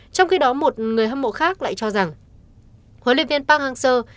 trong khi đó một người hâm mộ khác lại cho rằng huấn luyện viên park hang seo